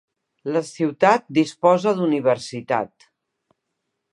La ciutat disposa d'universitat.